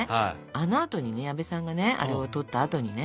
あのあとにね矢部さんがねあれをとったあとにね